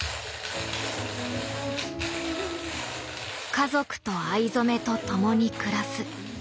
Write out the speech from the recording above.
家族と藍染めと共に暮らす。